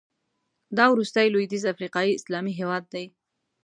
دا وروستی لوېدیځ افریقایي اسلامي هېواد دی.